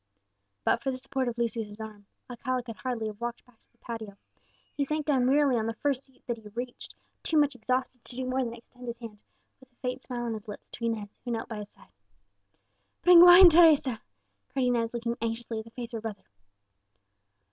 But for the support of Lucius's arm, Alcala could hardly have walked back to the patio. He sank down wearily on the first seat that he reached, too much exhausted to do more than extend his hand, with a faint smile on his lips, to Inez, who knelt by his side. "Bring wine, Teresa!" cried Inez, looking anxiously at the face of her brother.